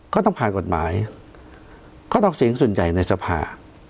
ก็ต้องผ่านกฎหมายก็ต้องเสียงส่วนใหญ่ในสภา